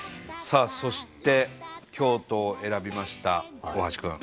さあそして京都を選びました大橋くん。